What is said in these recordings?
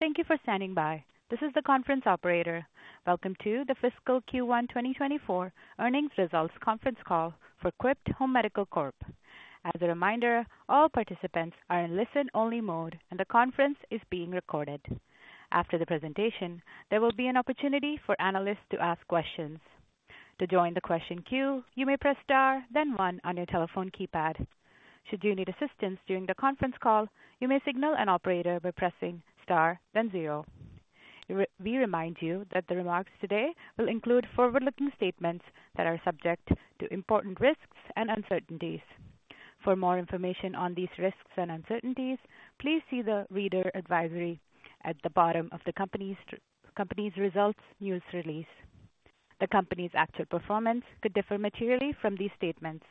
Thank you for standing by. This is the conference operator. Welcome to the Fiscal Q1 2024 Earnings Results Conference Call for Quipt Home Medical Corp. As a reminder, all participants are in listen-only mode, and the conference is being recorded. After the presentation, there will be an opportunity for analysts to ask questions. To join the question queue, you may press star, then 1 on your telephone keypad. Should you need assistance during the conference call, you may signal an operator by pressing star, then 0. We remind you that the remarks today will include forward-looking statements that are subject to important risks and uncertainties. For more information on these risks and uncertainties, please see the reader advisory at the bottom of the company's results news release. The company's actual performance could differ materially from these statements.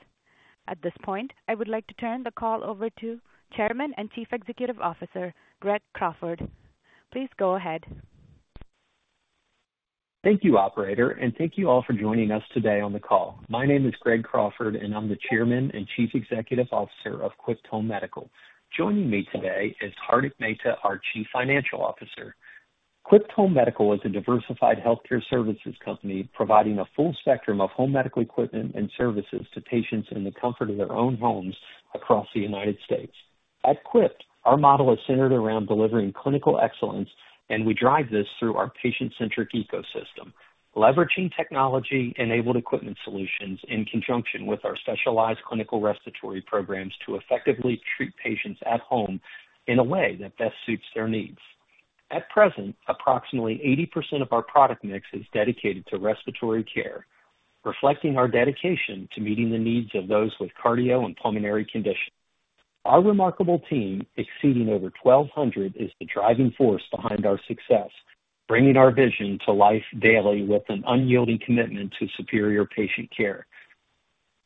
At this point, I would like to turn the call over to Chairman and Chief Executive Officer Greg Crawford. Please go ahead. Thank you, operator, and thank you all for joining us today on the call. My name is Greg Crawford, and I'm the Chairman and Chief Executive Officer of Quipt Home Medical. Joining me today is Hardik Mehta, our Chief Financial Officer. Quipt Home Medical is a diversified healthcare services company providing a full spectrum of home medical equipment and services to patients in the comfort of their own homes across the United States. At Quipt, our model is centered around delivering clinical excellence, and we drive this through our patient-centric ecosystem, leveraging technology-enabled equipment solutions in conjunction with our specialized clinical respiratory programs to effectively treat patients at home in a way that best suits their needs. At present, approximately 80% of our product mix is dedicated to respiratory care, reflecting our dedication to meeting the needs of those with cardio and pulmonary conditions. Our remarkable team, exceeding over 1,200, is the driving force behind our success, bringing our vision to life daily with an unyielding commitment to superior patient care.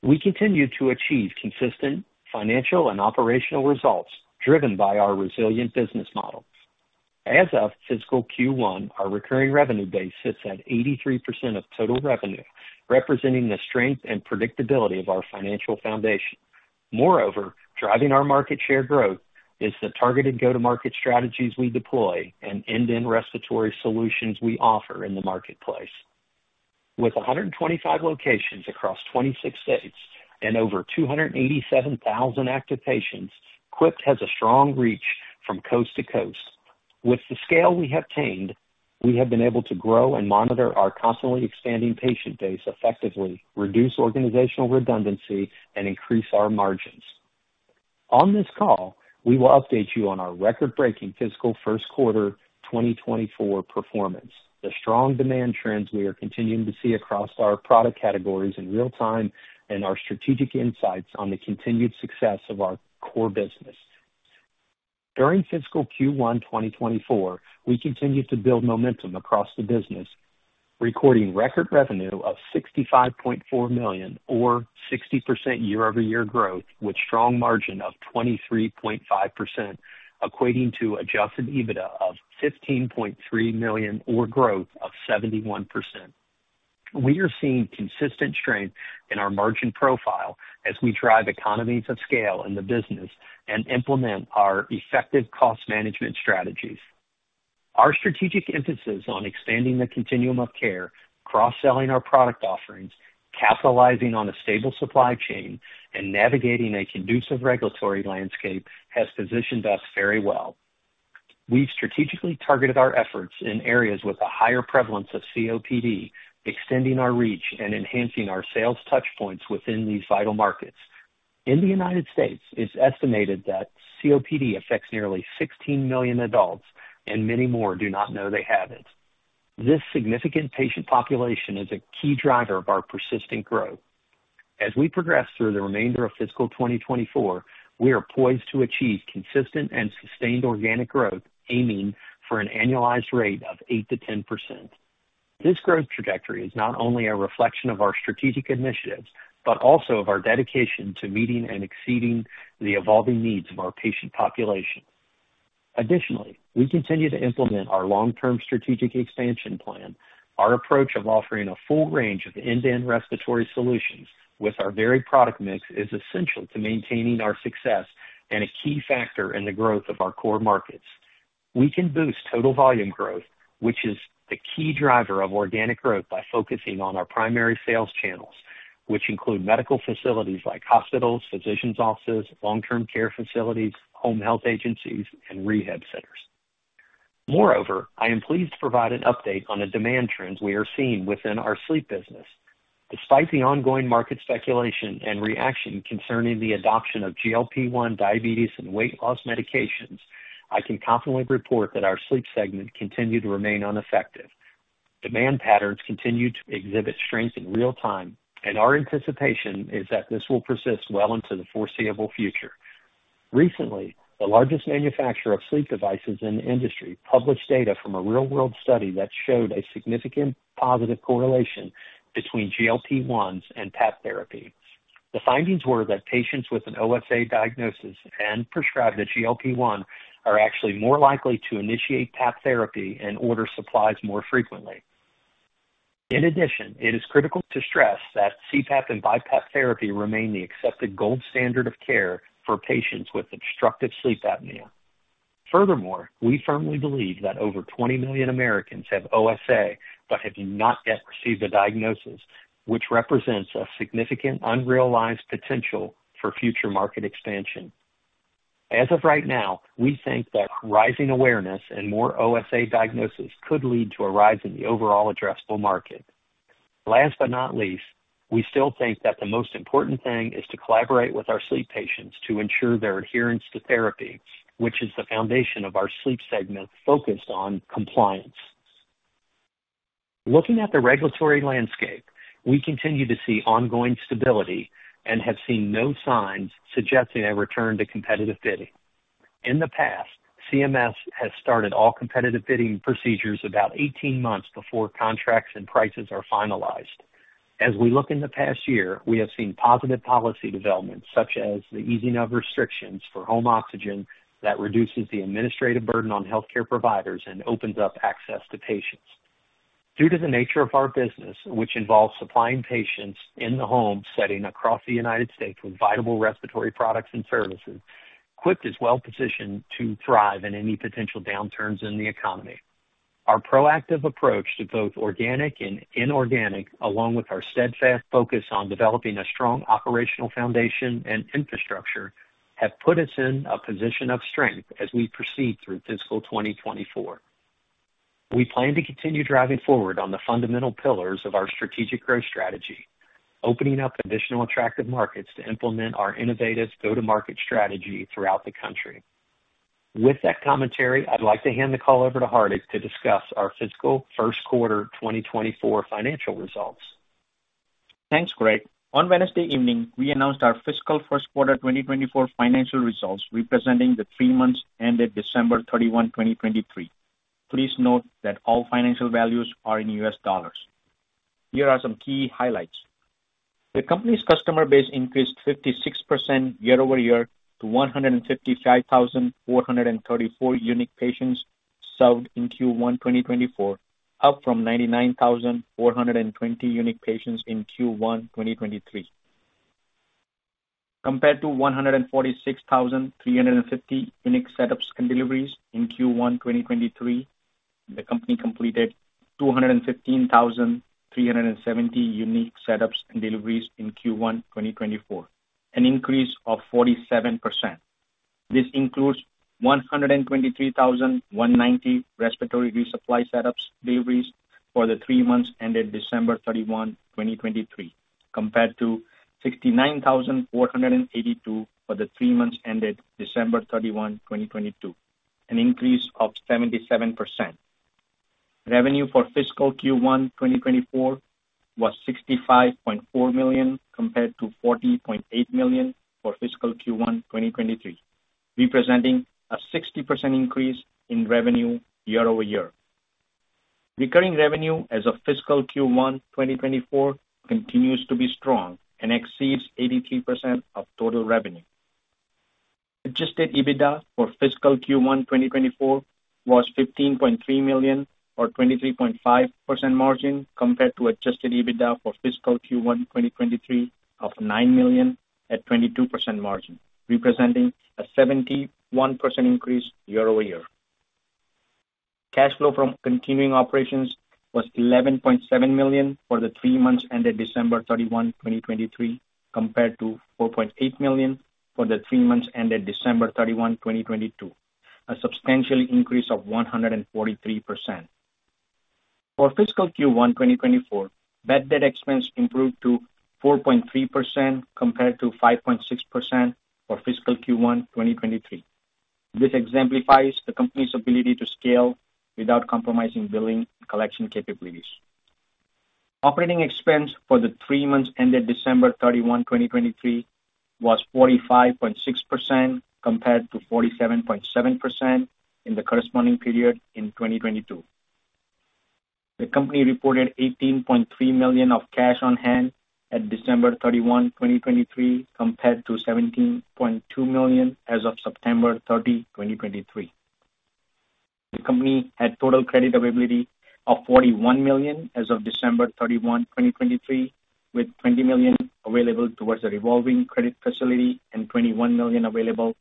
We continue to achieve consistent financial and operational results driven by our resilient business model. As of Fiscal Q1, our recurring revenue base sits at 83% of total revenue, representing the strength and predictability of our financial foundation. Moreover, driving our market share growth is the targeted go-to-market strategies we deploy and end-to-end respiratory solutions we offer in the marketplace. With 125 locations across 26 states and over 287,000 active patients, Quipt has a strong reach from coast to coast. With the scale we have attained, we have been able to grow and monitor our constantly expanding patient base effectively, reduce organizational redundancy, and increase our margins. On this call, we will update you on our record-breaking Fiscal first quarter 2024 performance, the strong demand trends we are continuing to see across our product categories in real time, and our strategic insights on the continued success of our core business. During Fiscal Q1 2024, we continue to build momentum across the business, recording record revenue of $65.4 million or 60% year-over-year growth with strong margin of 23.5%, equating to Adjusted EBITDA of $15.3 million or growth of 71%. We are seeing consistent strength in our margin profile as we drive economies of scale in the business and implement our effective cost management strategies. Our strategic emphasis on expanding the continuum of care, cross-selling our product offerings, capitalizing on a stable supply chain, and navigating a conducive regulatory landscape has positioned us very well. We've strategically targeted our efforts in areas with a higher prevalence of COPD, extending our reach, and enhancing our sales touchpoints within these vital markets. In the United States, it's estimated that COPD affects nearly 16 million adults, and many more do not know they have it. This significant patient population is a key driver of our persistent growth. As we progress through the remainder of Fiscal 2024, we are poised to achieve consistent and sustained organic growth, aiming for an annualized rate of 8%-10%. This growth trajectory is not only a reflection of our strategic initiatives but also of our dedication to meeting and exceeding the evolving needs of our patient population. Additionally, we continue to implement our long-term strategic expansion plan. Our approach of offering a full range of end-to-end respiratory solutions with our varied product mix is essential to maintaining our success and a key factor in the growth of our core markets. We can boost total volume growth, which is the key driver of organic growth, by focusing on our primary sales channels, which include medical facilities like hospitals, physicians' offices, long-term care facilities, home health agencies, and rehab centers. Moreover, I am pleased to provide an update on the demand trends we are seeing within our sleep business. Despite the ongoing market speculation and reaction concerning the adoption of GLP-1 diabetes and weight loss medications, I can confidently report that our sleep segment continued to remain unaffected. Demand patterns continue to exhibit strength in real time, and our anticipation is that this will persist well into the foreseeable future. Recently, the largest manufacturer of sleep devices in the industry published data from a real-world study that showed a significant positive correlation between GLP-1s and PAP therapy. The findings were that patients with an OSA diagnosis and prescribed a GLP-1 are actually more likely to initiate PAP therapy and order supplies more frequently. In addition, it is critical to stress that CPAP and BiPAP therapy remain the accepted gold standard of care for patients with obstructive sleep apnea. Furthermore, we firmly believe that over 20 million Americans have OSA but have not yet received a diagnosis, which represents a significant unrealized potential for future market expansion. As of right now, we think that rising awareness and more OSA diagnoses could lead to a rise in the overall addressable market. Last but not least, we still think that the most important thing is to collaborate with our sleep patients to ensure their adherence to therapy, which is the foundation of our sleep segment focused on compliance. Looking at the regulatory landscape, we continue to see ongoing stability and have seen no signs suggesting a return to competitive bidding. In the past, CMS has started all competitive bidding procedures about 18 months before contracts and prices are finalized. As we look in the past year, we have seen positive policy developments, such as the easing of restrictions for home oxygen that reduces the administrative burden on healthcare providers and opens up access to patients. Due to the nature of our business, which involves supplying patients in the home setting across the United States with viable respiratory products and services, Quipt is well-positioned to thrive in any potential downturns in the economy. Our proactive approach to both organic and inorganic, along with our steadfast focus on developing a strong operational foundation and infrastructure, has put us in a position of strength as we proceed through Fiscal 2024. We plan to continue driving forward on the fundamental pillars of our strategic growth strategy, opening up additional attractive markets to implement our innovative go-to-market strategy throughout the country. With that commentary, I'd like to hand the call over to Hardik to discuss our Fiscal first quarter 2024 financial results. Thanks, Greg. On Wednesday evening, we announced our fiscal first quarter 2024 financial results, representing the three months ended December 31, 2023. Please note that all financial values are in U.S. dollars. Here are some key highlights. The company's customer base increased 56% year-over-year to 155,434 unique patients served in Q1 2024, up from 99,420 unique patients in Q1 2023. Compared to 146,350 unique setups and deliveries in Q1 2023, the company completed 215,370 unique setups and deliveries in Q1 2024, an increase of 47%. This includes 123,190 respiratory resupply setups deliveries for the three months ended December 31, 2023, compared to 69,482 for the three months ended December 31, 2022, an increase of 77%. Revenue for fiscal Q1 2024 was $65.4 million compared to $40.8 million for fiscal Q1 2023, representing a 60% increase in revenue year-over-year. Recurring revenue as of Fiscal Q1 2024 continues to be strong and exceeds 83% of total revenue. Adjusted EBITDA for Fiscal Q1 2024 was $15.3 million or 23.5% margin compared to Adjusted EBITDA for Fiscal Q1 2023 of $9 million at 22% margin, representing a 71% increase year-over-year. Cash flow from continuing operations was $11.7 million for the three months ended December 31, 2023, compared to $4.8 million for the three months ended December 31, 2022, a substantial increase of 143%. For Fiscal Q1 2024, bad debt expense improved to 4.3% compared to 5.6% for Fiscal Q1 2023. This exemplifies the company's ability to scale without compromising billing collection capabilities. Operating expense for the three months ended December 31, 2023, was 45.6% compared to 47.7% in the corresponding period in 2022. The company reported $18.3 million of cash on hand at December 31, 2023, compared to $17.2 million as of September 30, 2023. The company had total credit availability of $41 million as of December 31, 2023, with $20 million available towards a revolving credit facility and $21 million available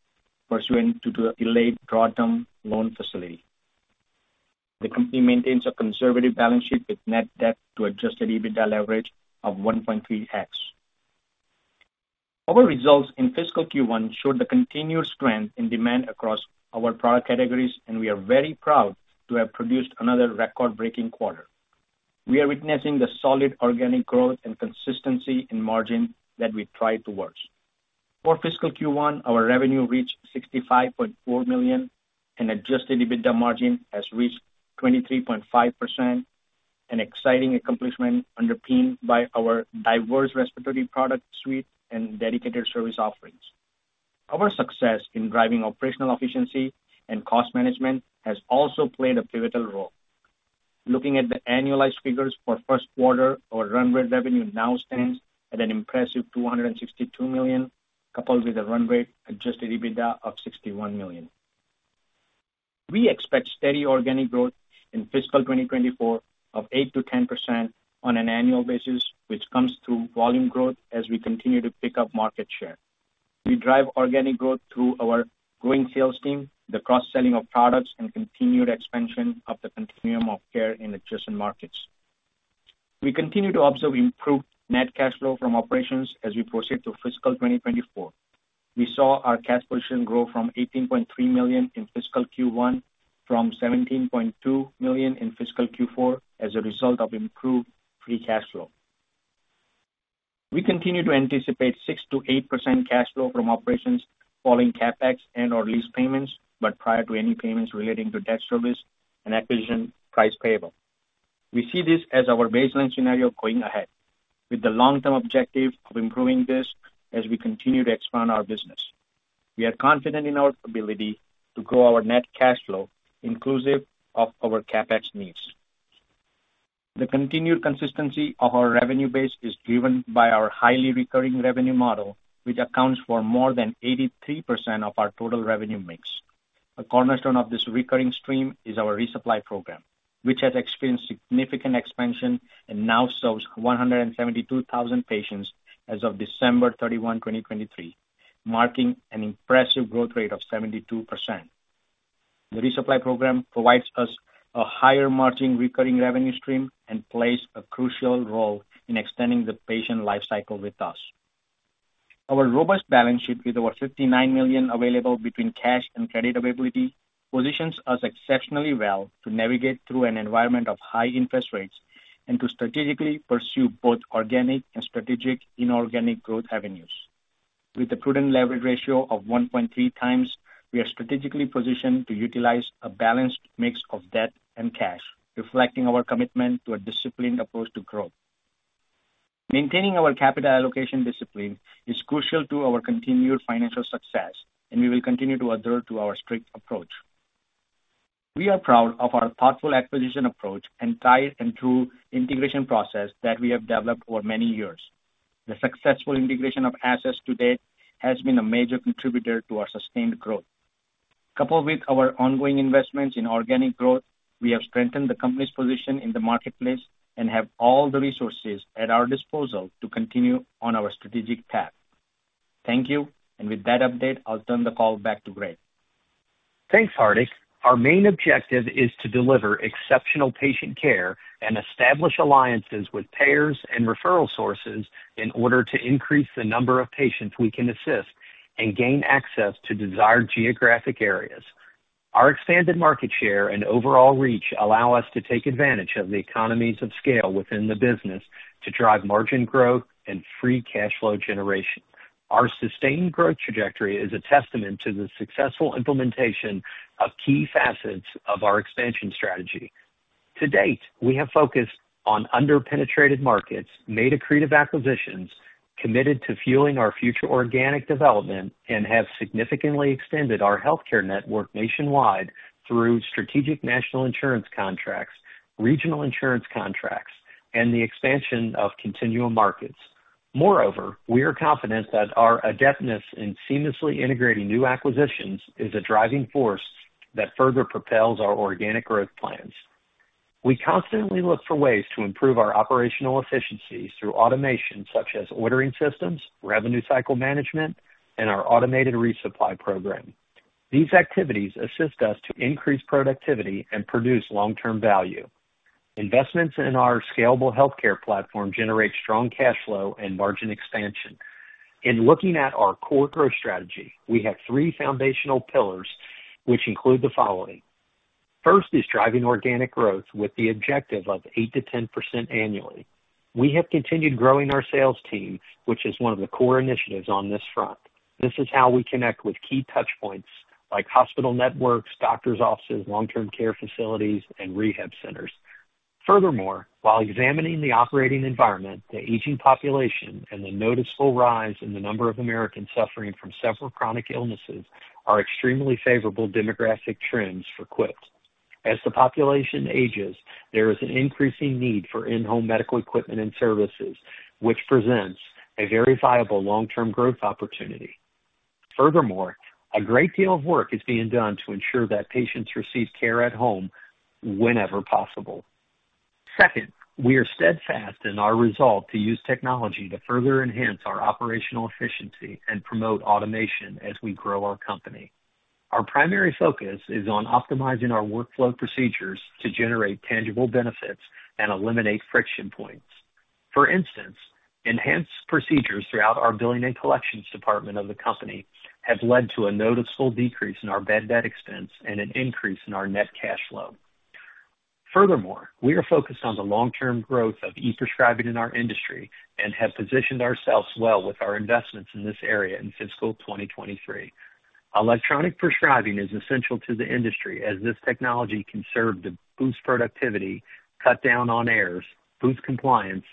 pursuant to a delayed drawdown loan facility. The company maintains a conservative balance sheet with net debt to Adjusted EBITDA leverage of 1.3x. Our results in Fiscal Q1 showed the continued strength in demand across our product categories, and we are very proud to have produced another record-breaking quarter. We are witnessing the solid organic growth and consistency in margin that we tried towards. For Fiscal Q1, our revenue reached $65.4 million, and Adjusted EBITDA margin has reached 23.5%, an exciting accomplishment underpinned by our diverse respiratory product suite and dedicated service offerings. Our success in driving operational efficiency and cost management has also played a pivotal role. Looking at the annualized figures for first quarter, our run rate revenue now stands at an impressive $262 million, coupled with a run rate Adjusted EBITDA of $61 million. We expect steady organic growth in Fiscal 2024 of 8%-10% on an annual basis, which comes through volume growth as we continue to pick up market share. We drive organic growth through our growing sales team, the cross-selling of products, and continued expansion of the continuum of care in adjacent markets. We continue to observe improved net cash flow from operations as we proceed through Fiscal 2024. We saw our cash position grow from $18.3 million in Fiscal Q1 from $17.2 million in Fiscal Q4 as a result of improved free cash flow. We continue to anticipate 6%-8% cash flow from operations following CapEx and/or lease payments, but prior to any payments relating to debt service and acquisition price payable. We see this as our baseline scenario going ahead, with the long-term objective of improving this as we continue to expand our business. We are confident in our ability to grow our net cash flow inclusive of our CapEx needs. The continued consistency of our revenue base is driven by our highly recurring revenue model, which accounts for more than 83% of our total revenue mix. A cornerstone of this recurring stream is our resupply program, which has experienced significant expansion and now serves 172,000 patients as of December 31, 2023, marking an impressive growth rate of 72%. The resupply program provides us a higher margin recurring revenue stream and plays a crucial role in extending the patient lifecycle with us. Our robust balance sheet with over $59 million available between cash and credit availability positions us exceptionally well to navigate through an environment of high interest rates and to strategically pursue both organic and strategic inorganic growth avenues. With a prudent leverage ratio of 1.3 times, we are strategically positioned to utilize a balanced mix of debt and cash, reflecting our commitment to a disciplined approach to growth. Maintaining our capital allocation discipline is crucial to our continued financial success, and we will continue to adhere to our strict approach. We are proud of our thoughtful acquisition approach and tight and true integration process that we have developed over many years. The successful integration of assets to date has been a major contributor to our sustained growth. Coupled with our ongoing investments in organic growth, we have strengthened the company's position in the marketplace and have all the resources at our disposal to continue on our strategic path. Thank you, and with that update, I'll turn the call back to Greg. Thanks, Hardik. Our main objective is to deliver exceptional patient care and establish alliances with payers and referral sources in order to increase the number of patients we can assist and gain access to desired geographic areas. Our expanded market share and overall reach allow us to take advantage of the economies of scale within the business to drive margin growth and free cash flow generation. Our sustained growth trajectory is a testament to the successful implementation of key facets of our expansion strategy. To date, we have focused on under-penetrated markets, made accretive acquisitions, committed to fueling our future organic development, and have significantly extended our healthcare network nationwide through strategic national insurance contracts, regional insurance contracts, and the expansion of continuum markets. Moreover, we are confident that our adeptness in seamlessly integrating new acquisitions is a driving force that further propels our organic growth plans. We constantly look for ways to improve our operational efficiencies through automation such as ordering systems, revenue cycle management, and our automated resupply program. These activities assist us to increase productivity and produce long-term value. Investments in our scalable healthcare platform generate strong cash flow and margin expansion. In looking at our core growth strategy, we have three foundational pillars, which include the following. First is driving organic growth with the objective of 8%-10% annually. We have continued growing our sales team, which is one of the core initiatives on this front. This is how we connect with key touchpoints like hospital networks, doctors' offices, long-term care facilities, and rehab centers. Furthermore, while examining the operating environment, the aging population, and the noticeable rise in the number of Americans suffering from several chronic illnesses are extremely favorable demographic trends for Quipt. As the population ages, there is an increasing need for in-home medical equipment and services, which presents a very viable long-term growth opportunity. Furthermore, a great deal of work is being done to ensure that patients receive care at home whenever possible. Second, we are steadfast in our resolve to use technology to further enhance our operational efficiency and promote automation as we grow our company. Our primary focus is on optimizing our workflow procedures to generate tangible benefits and eliminate friction points. For instance, enhanced procedures throughout our billing and collections department of the company have led to a noticeable decrease in our bad debt expense and an increase in our net cash flow. Furthermore, we are focused on the long-term growth of e-prescribing in our industry and have positioned ourselves well with our investments in this area in Fiscal 2023. Electronic prescribing is essential to the industry as this technology can serve to boost productivity, cut down on errors, boost compliance,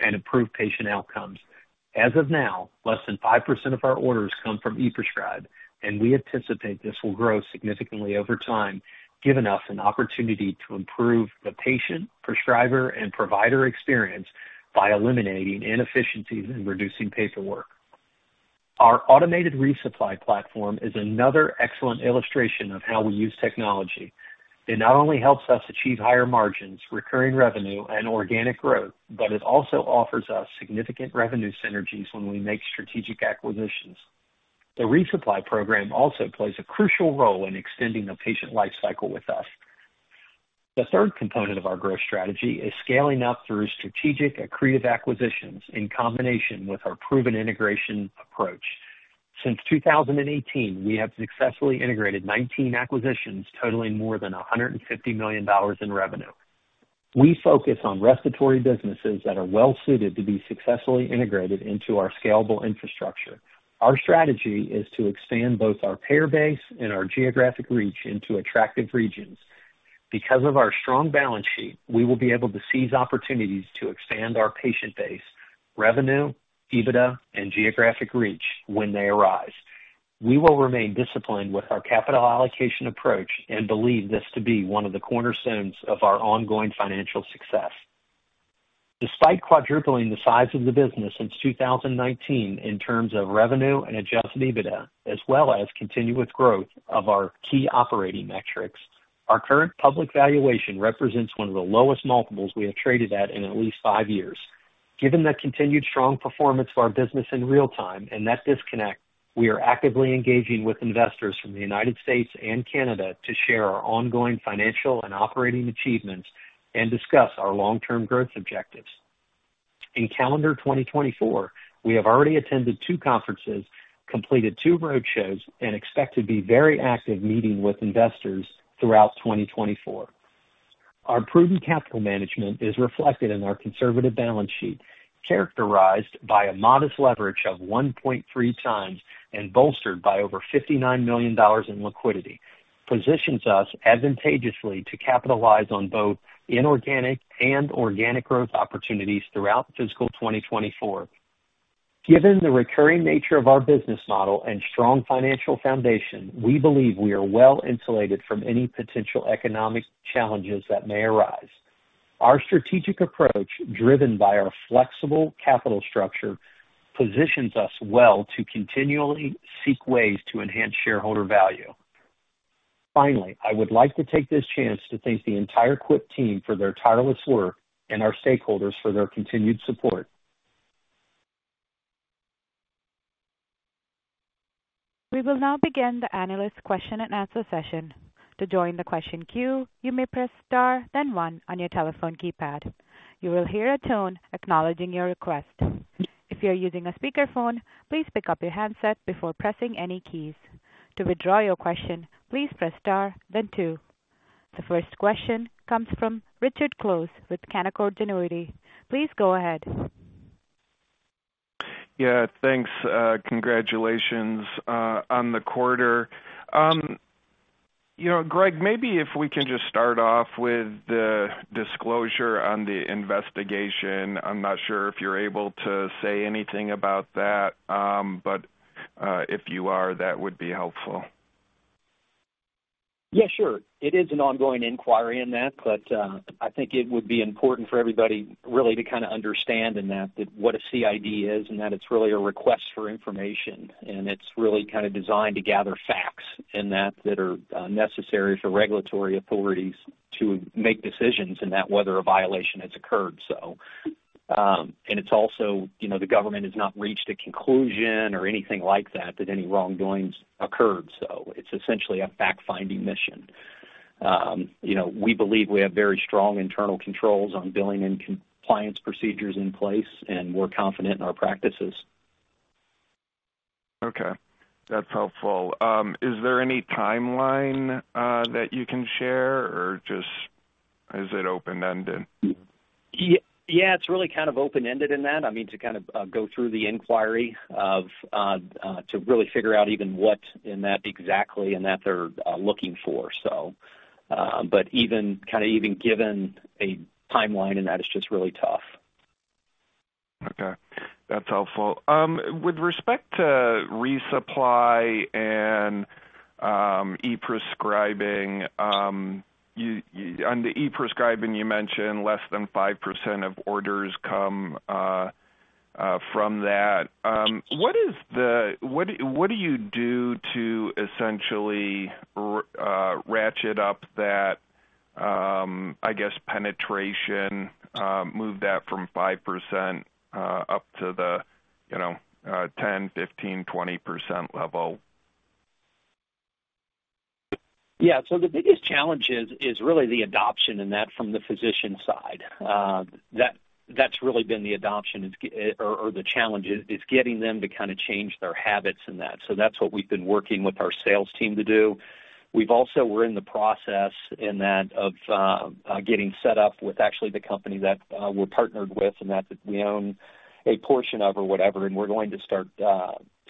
and improve patient outcomes. As of now, less than 5% of our orders come from e-prescribed, and we anticipate this will grow significantly over time, giving us an opportunity to improve the patient, prescriber, and provider experience by eliminating inefficiencies and reducing paperwork. Our automated resupply platform is another excellent illustration of how we use technology. It not only helps us achieve higher margins, recurring revenue, and organic growth, but it also offers us significant revenue synergies when we make strategic acquisitions. The resupply program also plays a crucial role in extending the patient lifecycle with us. The third component of our growth strategy is scaling up through strategic accretive acquisitions in combination with our proven integration approach. Since 2018, we have successfully integrated 19 acquisitions, totaling more than $150 million in revenue. We focus on respiratory businesses that are well-suited to be successfully integrated into our scalable infrastructure. Our strategy is to expand both our payer base and our geographic reach into attractive regions. Because of our strong balance sheet, we will be able to seize opportunities to expand our patient base, revenue, EBITDA, and geographic reach when they arise. We will remain disciplined with our capital allocation approach and believe this to be one of the cornerstones of our ongoing financial success. Despite quadrupling the size of the business since 2019 in terms of revenue and Adjusted EBITDA, as well as continuous growth of our key operating metrics, our current public valuation represents one of the lowest multiples we have traded at in at least five years. Given the continued strong performance of our business in real time and that disconnect, we are actively engaging with investors from the United States and Canada to share our ongoing financial and operating achievements and discuss our long-term growth objectives. In calendar 2024, we have already attended 2 conferences, completed 2 roadshows, and expect to be very active meeting with investors throughout 2024. Our prudent capital management is reflected in our conservative balance sheet, characterized by a modest leverage of 1.3x and bolstered by over $59 million in liquidity. This positions us advantageously to capitalize on both inorganic and organic growth opportunities throughout Fiscal 2024. Given the recurring nature of our business model and strong financial foundation, we believe we are well-insulated from any potential economic challenges that may arise. Our strategic approach, driven by our flexible capital structure, positions us well to continually seek ways to enhance shareholder value. Finally, I would like to take this chance to thank the entire Quipt team for their tireless work and our stakeholders for their continued support. We will now begin the analyst question-and-answer session. To join the question queue, you may press star then 1 on your telephone keypad. You will hear a tone acknowledging your request. If you're using a speakerphone, please pick up your handset before pressing any keys. To withdraw your question, please press star then 2. The first question comes from Richard Close with Canaccord Genuity. Please go ahead. Yeah, thanks. Congratulations on the quarter. Greg, maybe if we can just start off with the disclosure on the investigation. I'm not sure if you're able to say anything about that, but if you are, that would be helpful. Yeah, sure. It is an ongoing inquiry in that, but I think it would be important for everybody really to kind of understand in that what a CID is and that it's really a request for information, and it's really kind of designed to gather facts in that that are necessary for regulatory authorities to make decisions in that whether a violation has occurred. And it's also the government has not reached a conclusion or anything like that that any wrongdoings occurred, so it's essentially a fact-finding mission. We believe we have very strong internal controls on billing and compliance procedures in place, and we're confident in our practices. Okay. That's helpful. Is there any timeline that you can share, or is it open-ended? Yeah, it's really kind of open-ended in that. I mean, to kind of go through the inquiry to really figure out even what in that exactly in that they're looking for, so. But kind of even given a timeline in that, it's just really tough. Okay. That's helpful. With respect to resupply and e-prescribing, under e-prescribing, you mentioned less than 5% of orders come from that. What do you do to essentially ratchet up that, I guess, penetration, move that from 5% up to the 10%, 15%, 20% level? Yeah, so the biggest challenge is really the adoption in that from the physician side. That's really been the adoption or the challenge is getting them to kind of change their habits in that. So that's what we've been working with our sales team to do. We're in the process in that of getting set up with actually the company that we're partnered with in that we own a portion of or whatever, and we're going to start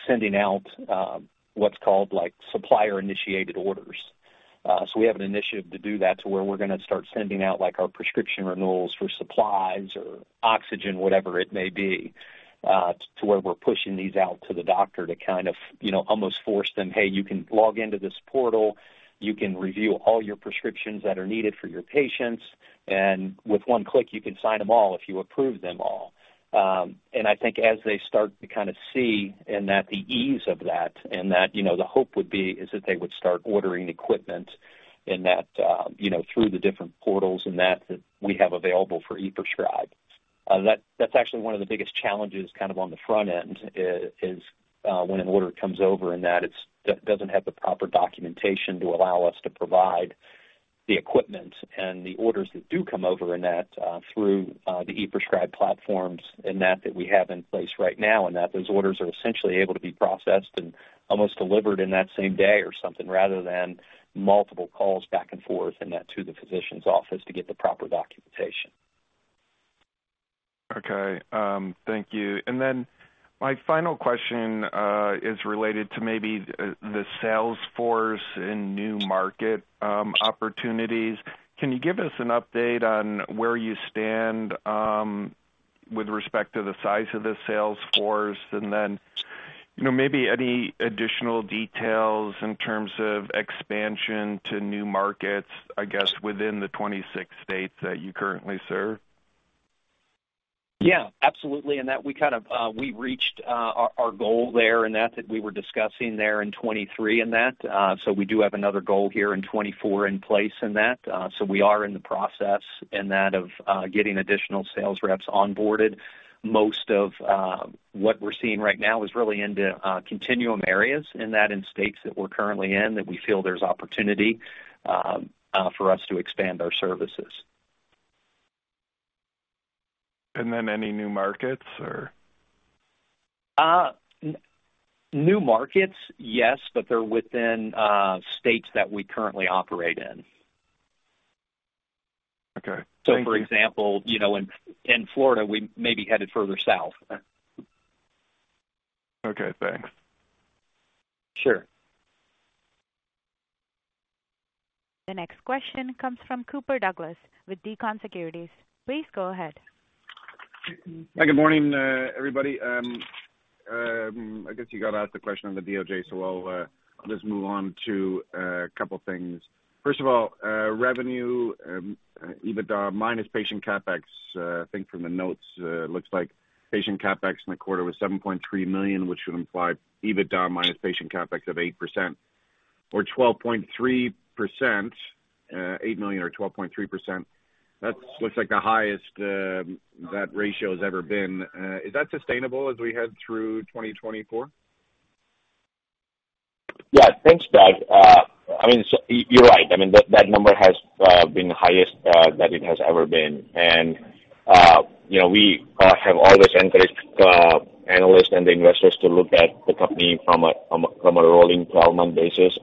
sending out what's called supplier-initiated orders. So we have an initiative to do that to where we're going to start sending out our prescription renewals for supplies or oxygen, whatever it may be, to where we're pushing these out to the doctor to kind of almost force them, "Hey, you can log into this portal. You can review all your prescriptions that are needed for your patients, and with one click, you can sign them all if you approve them all." I think as they start to kind of see in that the ease of that and that the hope would be is that they would start ordering equipment through the different portals in that that we have available for e-prescribe. That's actually one of the biggest challenges kind of on the front end is when an order comes over in that it doesn't have the proper documentation to allow us to provide the equipment. The orders that do come over through the e-prescribing platforms that we have in place right now, those orders are essentially able to be processed and almost delivered the same day or something rather than multiple calls back and forth to the physician's office to get the proper documentation. Okay. Thank you. And then my final question is related to maybe the sales force and new market opportunities. Can you give us an update on where you stand with respect to the size of the sales force and then maybe any additional details in terms of expansion to new markets, I guess, within the 26 states that you currently serve? Yeah, absolutely, in that we kind of reached our goal there in that that we were discussing there in 2023 in that. So we do have another goal here in 2024 in place in that. So we are in the process in that of getting additional sales reps onboarded. Most of what we're seeing right now is really into continuum areas in that in states that we're currently in that we feel there's opportunity for us to expand our services. Any new markets, or? New markets, yes, but they're within states that we currently operate in. Okay. For example, in Florida, we may be headed further south. Okay. Thanks. Sure. The next question comes from Cooper Douglas with Beacon Securities. Please go ahead. Yeah, good morning, everybody. I guess you got asked the question on the DOJ, so I'll just move on to a couple of things. First of all, revenue, EBITDA minus patient CapEx, I think from the notes, looks like patient CapEx in the quarter was $7.3 million, which would imply EBITDA minus patient CapEx of 8% or 12.3%, $8 million or 12.3%. That looks like the highest that ratio has ever been. Is that sustainable as we head through 2024? Yeah, thanks, Doug. I mean, you're right. I mean, that number has been the highest that it has ever been. We have always encouraged analysts and the investors to look at the company from a rolling 12-month basis.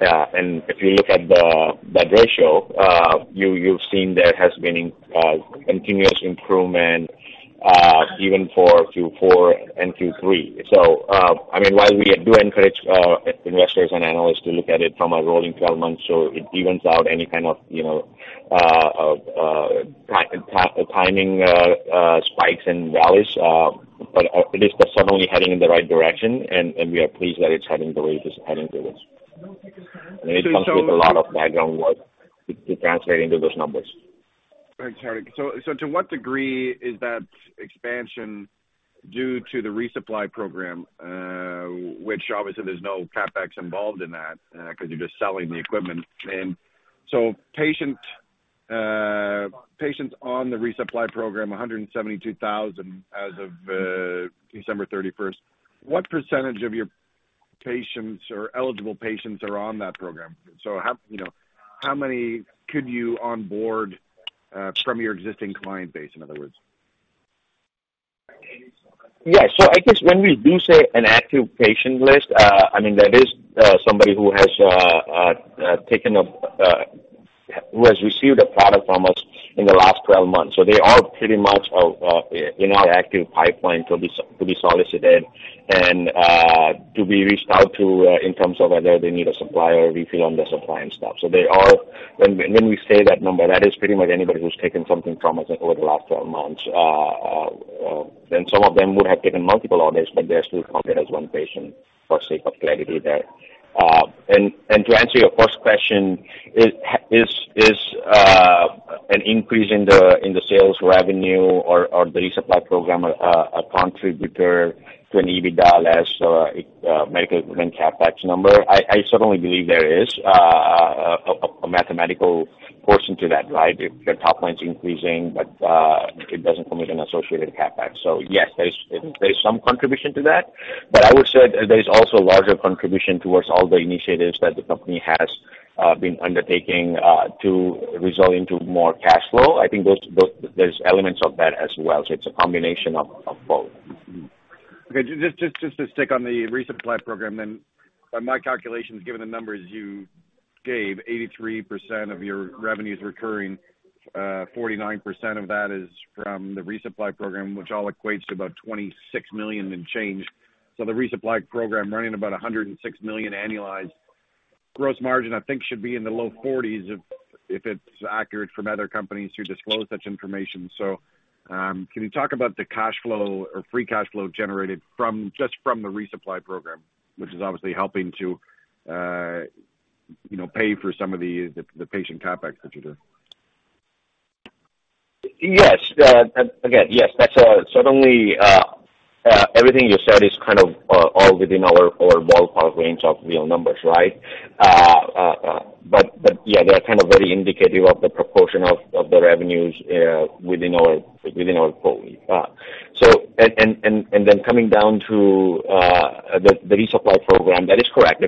If you look at that ratio, you've seen there has been continuous improvement even for Q4 and Q3. So, I mean, while we do encourage investors and analysts to look at it from a rolling 12-month so it evens out any kind of timing spikes and rallies, but it is suddenly heading in the right direction, and we are pleased that it's heading the way it is heading to this. I mean, it comes with a lot of background work to translate into those numbers. All right. So to what degree is that expansion due to the resupply program, which obviously there's no CapEx involved in that because you're just selling the equipment? And so patients on the resupply program, 172,000 as of December 31st, what percentage of your patients or eligible patients are on that program? So how many could you onboard from your existing client base, in other words? Yeah, so I guess when we do say an active patient list, I mean, that is somebody who has received a product from us in the last 12 months. So they are pretty much in our active pipeline to be solicited and to be reached out to in terms of whether they need a supply or a refill on their supply and stuff. So when we say that number, that is pretty much anybody who's taken something from us over the last 12 months. And some of them would have taken multiple orders, but they're still counted as one patient for sake of clarity there. And to answer your first question, is an increase in the sales revenue or the resupply program a contributor to an EBITDA less medical equipment CapEx number? I certainly believe there is a mathematical portion to that, right? Your top line's increasing, but it doesn't commit an associated CapEx. So yes, there is some contribution to that. But I would say there's also a larger contribution towards all the initiatives that the company has been undertaking to result into more cash flow. I think there's elements of that as well. So it's a combination of both. Okay. Just to stick on the resupply program then, by my calculations, given the numbers you gave, 83% of your revenue's recurring, 49% of that is from the resupply program, which all equates to about $26 million and change. So the resupply program running about $106 million annualized gross margin, I think, should be in the low 40s% if it's accurate from other companies who disclose such information. So can you talk about the cash flow or free cash flow generated just from the resupply program, which is obviously helping to pay for some of the patient CapEx that you do? Yes. Again, yes. Suddenly, everything you said is kind of all within our ballpark range of real numbers, right? But yeah, they're kind of very indicative of the proportion of the revenues within our Quipt. And then coming down to the resupply program, that is correct. The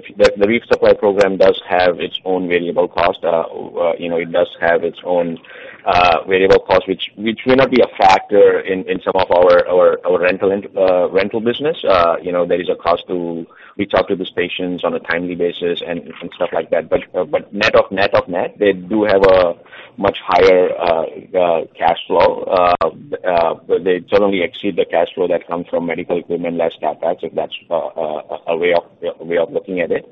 resupply program does have its own variable cost. It does have its own variable cost, which may not be a factor in some of our rental business. There is a cost to reach out to these patients on a timely basis and stuff like that. But net of net, they do have a much higher cash flow. They certainly exceed the cash flow that comes from medical equipment less CapEx if that's a way of looking at it.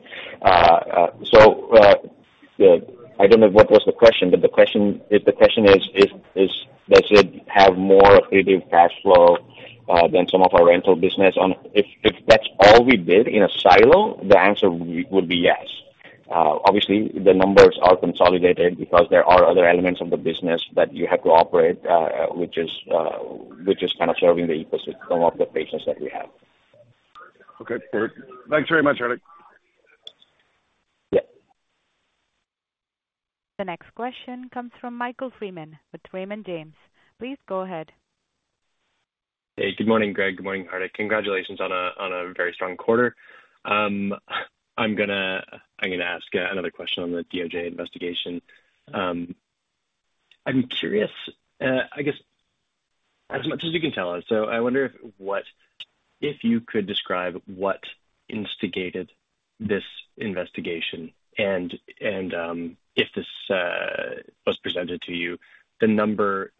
So I don't know what was the question, but the question is, does it have more accretive cash flow than some of our rental business? If that's all we did in a silo, the answer would be yes. Obviously, the numbers are consolidated because there are other elements of the business that you have to operate, which is kind of serving the ecosystem of the patients that we have. Okay. Perfect. Thanks very much, Hardik. Yeah. The next question comes from Michael Freeman with Raymond James. Please go ahead. Hey, good morning, Greg. Good morning, Hardik. Congratulations on a very strong quarter. I'm going to ask another question on the DOJ investigation. I'm curious, I guess, as much as you can tell us. I wonder if you could describe what instigated this investigation and if this was presented to you, the number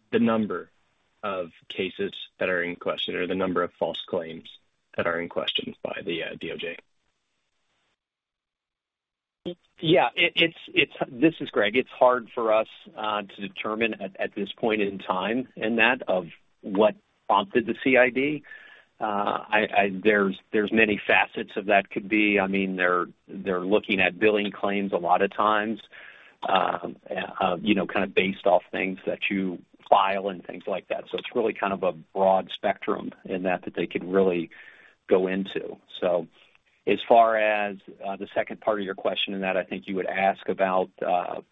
of cases that are in question or the number of false claims that are in question by the DOJ. Yeah. This is Greg. It's hard for us to determine at this point in time in that of what prompted the CID. There's many facets of that could be. I mean, they're looking at billing claims a lot of times kind of based off things that you file and things like that. So it's really kind of a broad spectrum in that that they could really go into. So as far as the second part of your question in that, I think you would ask about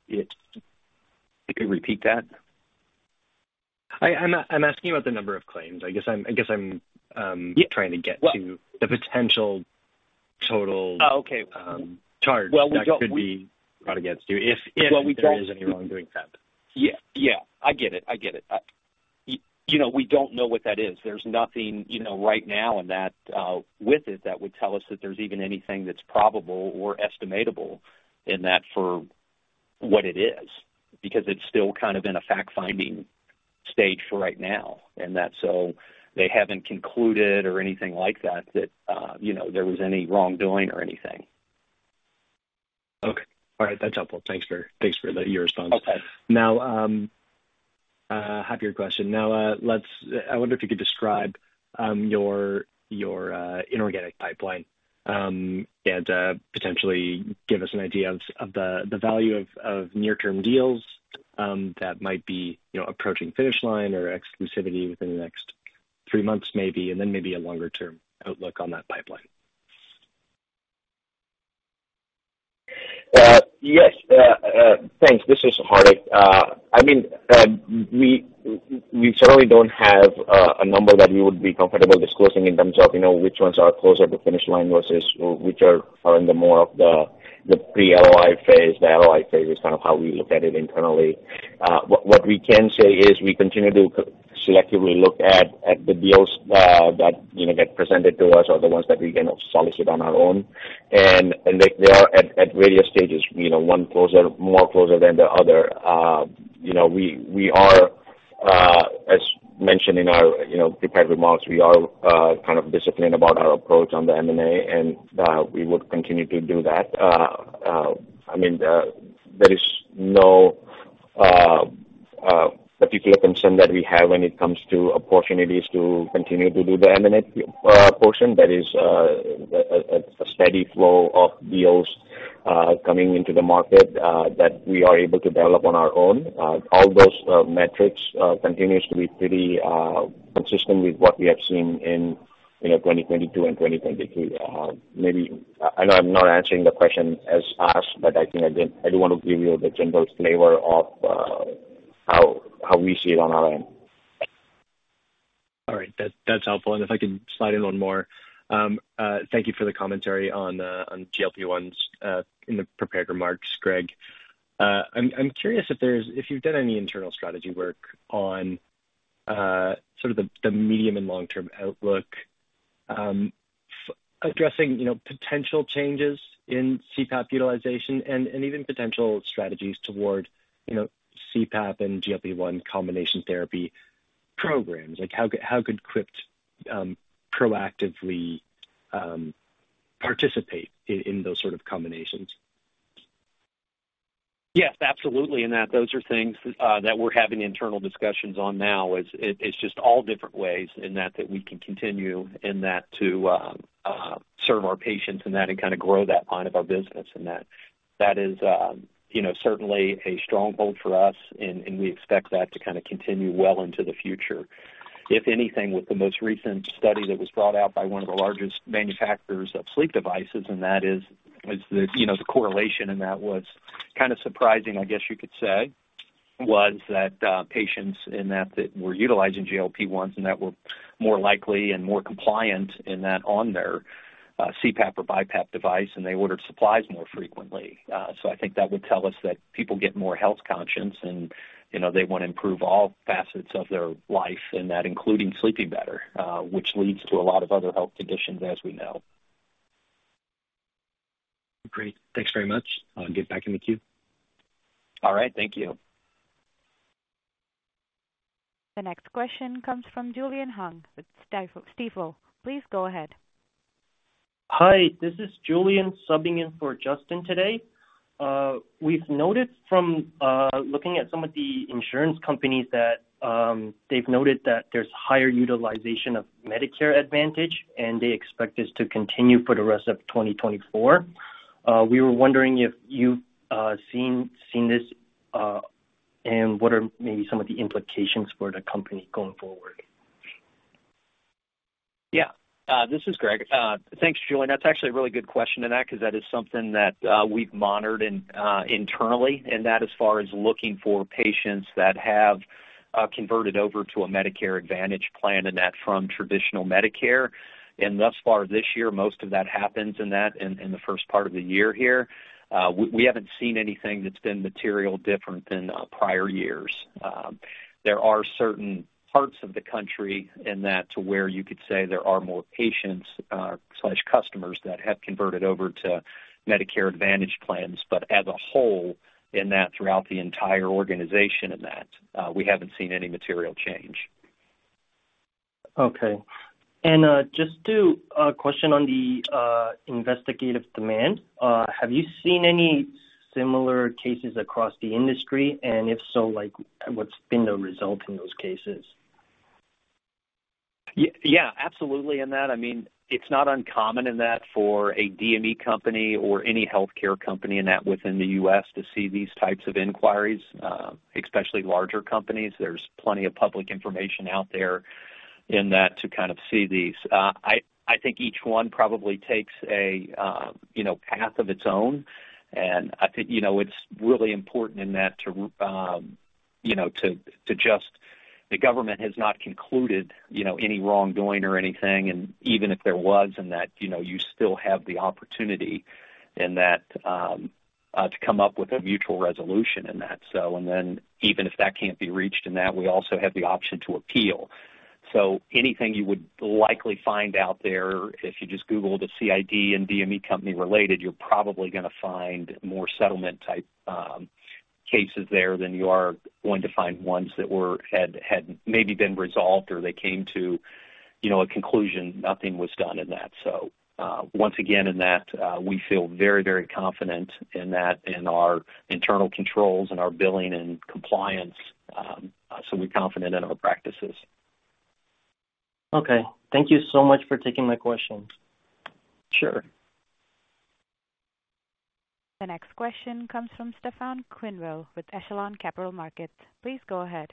it could you repeat that? I'm asking about the number of claims. I guess I'm trying to get to the potential total charge that could be brought against you if there is any wrongdoing found. Yeah. I get it. I get it. We don't know what that is. There's nothing right now in that with it that would tell us that there's even anything that's probable or estimatable in that for what it is because it's still kind of in a fact-finding stage for right now in that. So they haven't concluded or anything like that that there was any wrongdoing or anything. Okay. All right. That's helpful. Thanks for your response. Now, happy with your question. Now, I wonder if you could describe your inorganic pipeline and potentially give us an idea of the value of near-term deals that might be approaching finish line or exclusivity within the next three months, maybe, and then maybe a longer-term outlook on that pipeline. Yes. Thanks. This is Hardik. I mean, we certainly don't have a number that we would be comfortable disclosing in terms of which ones are closer to finish line versus which are in the more of the pre-LOI phase. The LOI phase is kind of how we look at it internally. What we can say is we continue to selectively look at the deals that get presented to us or the ones that we can solicit on our own. And they are at various stages, one more closer than the other. We are, as mentioned in our prepared remarks, we are kind of disciplined about our approach on the M&A, and we would continue to do that. I mean, there is no particular concern that we have when it comes to opportunities to continue to do the M&A portion. There is a steady flow of deals coming into the market that we are able to develop on our own. All those metrics continues to be pretty consistent with what we have seen in 2022 and 2023. I know I'm not answering the question as asked, but I think I do want to give you the general flavor of how we see it on our end. All right. That's helpful. And if I could slide in one more, thank you for the commentary on GLP-1s in the prepared remarks, Greg. I'm curious if you've done any internal strategy work on sort of the medium and long-term outlook, addressing potential changes in CPAP utilization and even potential strategies toward CPAP and GLP-1 combination therapy programs. How could QIPT proactively participate in those sort of combinations? Yes, absolutely. Those are things that we're having internal discussions on now. It's just all different ways that we can continue to serve our patients and kind of grow that line of our business. That is certainly a stronghold for us, and we expect that to kind of continue well into the future. If anything, with the most recent study that was brought out by one of the largest manufacturers of sleep devices, the correlation was kind of surprising, I guess you could say, was that patients that were utilizing GLP-1s were more likely and more compliant on their CPAP or BiPAP device, and they ordered supplies more frequently. I think that would tell us that people get more health conscious, and they want to improve all facets of their life in that, including sleeping better, which leads to a lot of other health conditions, as we know. Great. Thanks very much. I'll get back in the queue. All right. Thank you. The next question comes from Julian Hong with Stifel. Please go ahead. Hi. This is Julian subbing in for Justin today. We've noted from looking at some of the insurance companies that they've noted that there's higher utilization of Medicare Advantage, and they expect this to continue for the rest of 2024. We were wondering if you've seen this and what are maybe some of the implications for the company going forward. Yeah. This is Greg. Thanks, Julian. That's actually a really good question in that because that is something that we've monitored internally, in that as far as looking for patients that have converted over to a Medicare Advantage plan in that from traditional Medicare. And thus far this year, most of that happens in that in the first part of the year here. We haven't seen anything that's been material different than prior years. There are certain parts of the country in that to where you could say there are more patients/customers that have converted over to Medicare Advantage plans. But as a whole in that throughout the entire organization in that, we haven't seen any material change. Okay. Just to question on the investigative demand, have you seen any similar cases across the industry? And if so, what's been the result in those cases? Yeah, absolutely. I mean, it's not uncommon in that for a DME company or any healthcare company in that within the U.S. to see these types of inquiries, especially larger companies. There's plenty of public information out there in that to kind of see these. I think each one probably takes a path of its own. I think it's really important in that to just the government has not concluded any wrongdoing or anything. Even if there was in that, you still have the opportunity in that to come up with a mutual resolution in that. Then even if that can't be reached in that, we also have the option to appeal. So anything you would likely find out there, if you just Google the CID and DME company related, you're probably going to find more settlement-type cases there than you are going to find ones that had maybe been resolved or they came to a conclusion, nothing was done in that. So once again, in that, we feel very, very confident in that in our internal controls and our billing and compliance. So we're confident in our practices. Okay. Thank you so much for taking my question. Sure. The next question comes from Stefan Quenneville with Echelon Capital Markets. Please go ahead.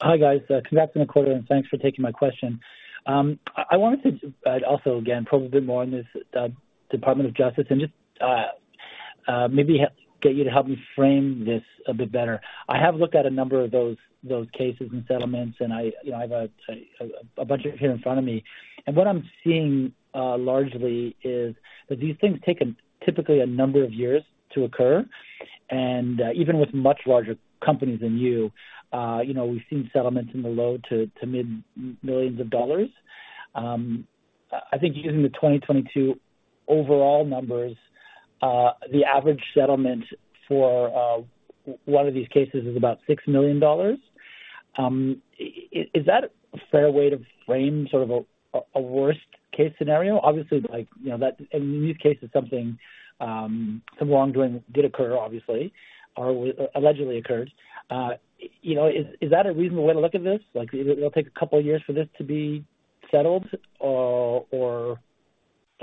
Hi, guys. Congrats on the quarter, and thanks for taking my question. I wanted to also, again, probe a bit more in this Department of Justice and just maybe get you to help me frame this a bit better. I have looked at a number of those cases and settlements, and I have a bunch of it here in front of me. What I'm seeing largely is that these things take typically a number of years to occur. Even with much larger companies than you, we've seen settlements in the low- to mid-millions of dollars. I think using the 2022 overall numbers, the average settlement for one of these cases is about $6 million. Is that a fair way to frame sort of a worst-case scenario? Obviously, in these cases, some wrongdoing did occur, obviously, or allegedly occurred. Is that a reasonable way to look at this? It'll take a couple of years for this to be settled, or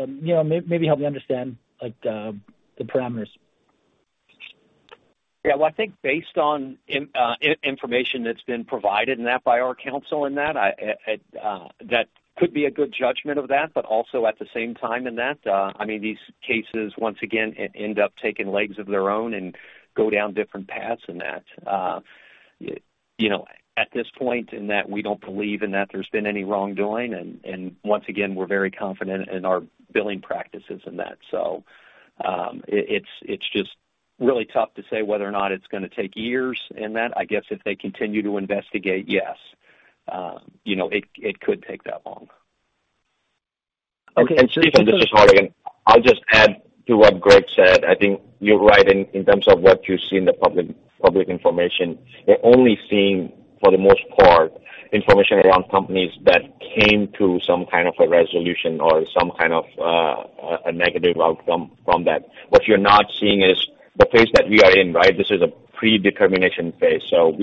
maybe help me understand the parameters. Yeah. Well, I think based on information that's been provided in that by our counsel in that, that could be a good judgment of that. But also at the same time in that, I mean, these cases, once again, end up taking legs of their own and go down different paths in that at this point in that we don't believe in that there's been any wrongdoing. And once again, we're very confident in our billing practices in that. So it's just really tough to say whether or not it's going to take years in that. I guess if they continue to investigate, yes, it could take that long. This is Hardik. I'll just add to what Greg said. I think you're right in terms of what you see in the public information. We're only seeing, for the most part, information around companies that came to some kind of a resolution or some kind of a negative outcome from that. What you're not seeing is the phase that we are in, right? This is a predetermination phase. So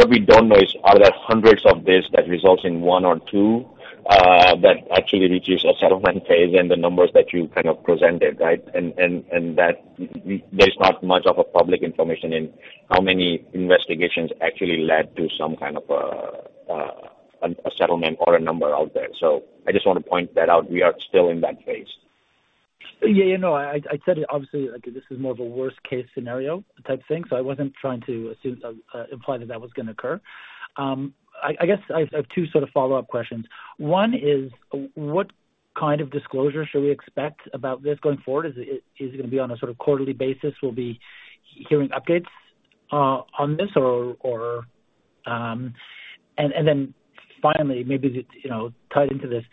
what we don't know is are there hundreds of this that results in one or two that actually reaches a settlement phase and the numbers that you kind of presented, right? And there's not much of a public information in how many investigations actually led to some kind of a settlement or a number out there. So I just want to point that out. We are still in that phase. Yeah. I said it, obviously, this is more of a worst-case scenario type thing. So I wasn't trying to imply that that was going to occur. I guess I have two sort of follow-up questions. One is, what kind of disclosure should we expect about this going forward? Is it going to be on a sort of quarterly basis? Will we be hearing updates on this? And then finally, maybe tied into this,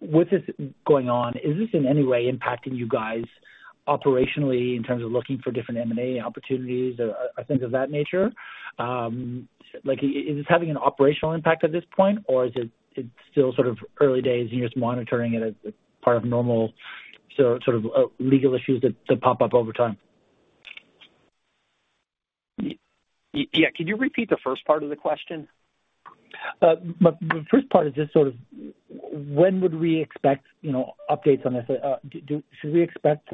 with this going on, is this in any way impacting you guys operationally in terms of looking for different M&A opportunities or things of that nature? Is this having an operational impact at this point, or is it still sort of early days, and you're just monitoring it as part of normal sort of legal issues that pop up over time? Yeah. Can you repeat the first part of the question? The first part is just sort of when would we expect updates on this? Should we expect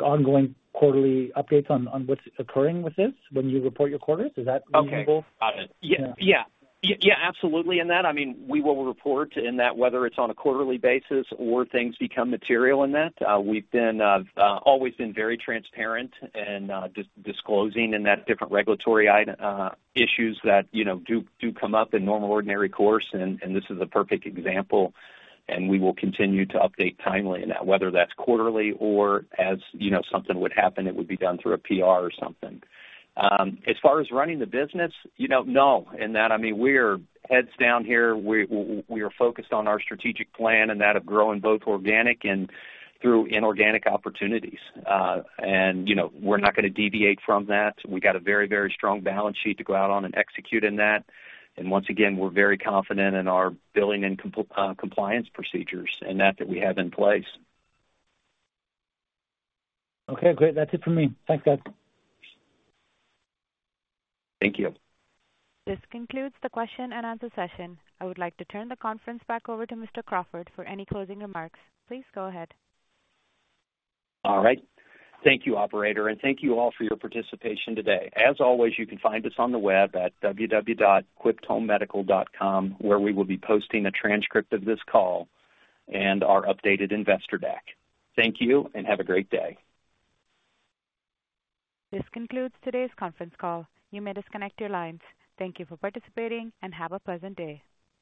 ongoing quarterly updates on what's occurring with this when you report your quarters? Is that reasonable? Okay. Got it. Yeah. Yeah. Absolutely. In that, I mean, we will report in that whether it's on a quarterly basis or things become material in that. We've always been very transparent in disclosing in that different regulatory issues that do come up in normal ordinary course. And this is a perfect example. And we will continue to update timely in that, whether that's quarterly or as something would happen, it would be done through a PR or something. As far as running the business, no. In that, I mean, we're heads down here. We are focused on our strategic plan in that of growing both organic and through inorganic opportunities. And we're not going to deviate from that. We got a very, very strong balance sheet to go out on and execute in that. Once again, we're very confident in our billing and compliance procedures in that we have in place. Okay. Great. That's it from me. Thanks, guys. Thank you. This concludes the question-and-answer session. I would like to turn the conference back over to Mr. Crawford for any closing remarks. Please go ahead. All right. Thank you, operator. Thank you all for your participation today. As always, you can find us on the web at www.quipt.com where we will be posting a transcript of this call and our updated investor deck. Thank you, and have a great day. This concludes today's conference call. You may disconnect your lines. Thank you for participating, and have a pleasant day.